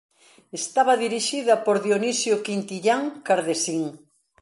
Estaba dirixida por Dionisio Quintillán Cardesín.